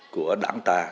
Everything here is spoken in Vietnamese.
của đảng ta